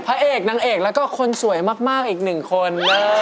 พระเอกนางเอกแล้วก็คนสวยมากอีกหนึ่งคน